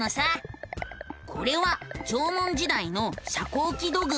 これは縄文時代の遮光器土偶。